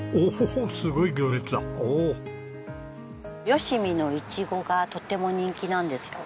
吉見のイチゴがとっても人気なんですよ。